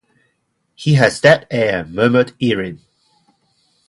"He has that air," murmured Erin.